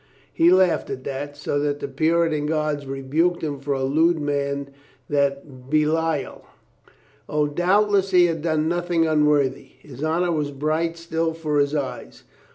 He laughed at that, so that the Puritan guards rebuked him for a lewd man of Belial. O, doubtless, he had done nothing unworthy. His honor was bright still for his eyes.